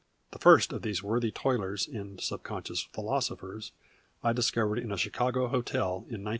The first of these worthy toilers and subconscious philosophers I discovered in a Chicago hotel in 1905.